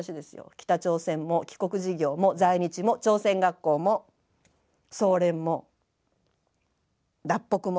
北朝鮮も帰国事業も在日も朝鮮学校も総連も脱北も。